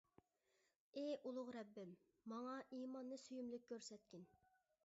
ئى ئۇلۇغ رەببىم، ماڭا ئىماننى سۆيۈملۈك كۆرسەتكىن.